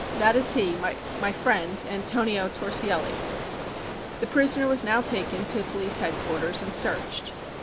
"That is he my friend Antonio Torsielli." The prisoner was now taken to Police Headquarters and searched.